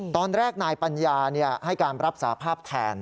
ตอนแรกนายปัญญาให้การรับสาภาพแทน